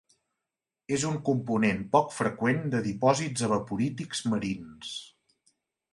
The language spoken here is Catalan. És un component poc freqüent de dipòsits evaporítics marins.